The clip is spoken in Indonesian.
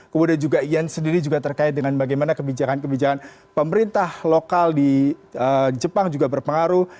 kemudian juga yen sendiri juga terkait dengan bagaimana kebijakan kebijakan pemerintah lokal di jepang juga berpengaruh